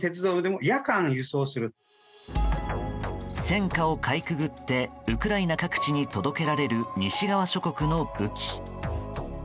戦火をかいくぐってウクライナ各地に届けられる西側諸国の武器。